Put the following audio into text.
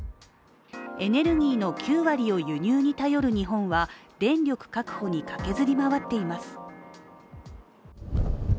エネルギーの９割を輸入に頼る日本は電力確保に駆けずり回っています。